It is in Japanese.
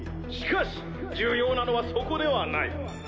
しかし重要なのはそこではない。